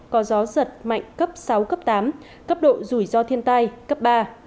có gió giật mạnh cấp sáu cấp tám cấp độ rủi ro thiên tai cấp ba